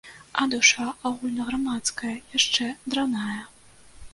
А душа агульнаграмадская яшчэ драная!